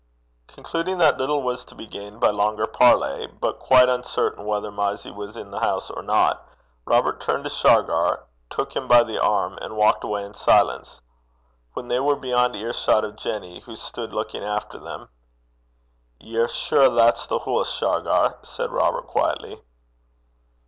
Concluding that little was to be gained by longer parley, but quite uncertain whether Mysie was in the house or not, Robert turned to Shargar, took him by the arm, and walked away in silence. When they were beyond earshot of Jenny, who stood looking after them, 'Ye're sure that's the hoose, Shargar?' said Robert quietly.